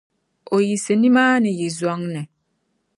o yiɣisi nimaani yi zɔŋ ni.